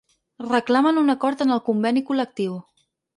Reclamen un acord en el conveni col·lectiu.